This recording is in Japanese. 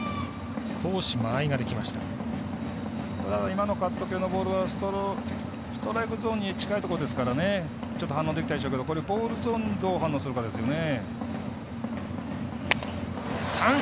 今のカット系のボールはストライクゾーンに近いところですからちょっと反応できたでしょうけどボールゾーンどう反応するかですね。